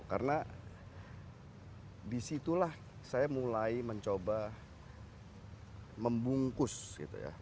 karena disitulah saya mulai mencoba membungkus gitu ya